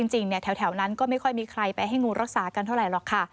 จริงแถวนั้นก็ไม่ค่อยมีใครไปให้งูรักษากันเท่าไหรหรอกค่ะ